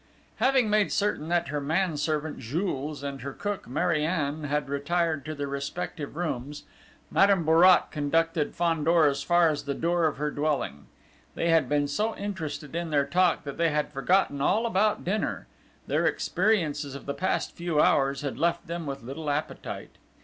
Having made certain that her manservant, Jules, and her cook, Marianne, had retired to their respective rooms, Madame Bourrat conducted Fandor as far as the door of her dwelling. They had been so interested in their talk, that they had forgotten all about dinner: their experiences of the past few hours had left them with little appetite.